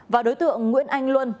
và đối tượng nguyễn anh luân